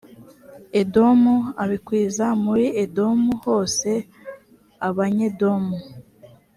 edomu abikwiza muri edomu hose abanyedomu